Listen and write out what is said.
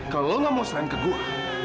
kalo lu gak mau serahin ke gua